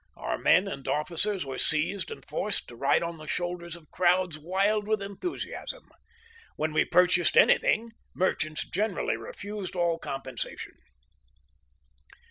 Our men and officers were seized and forced to ride on the shoulders of crowds wild with enthusiasm. When we purchased anything, merchants generally refused all compensation.